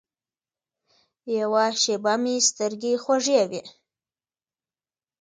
یوه شېبه مې سترګې خوږې وې.